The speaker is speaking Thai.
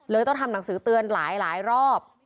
ต้องทำหนังสือเตือนหลายรอบ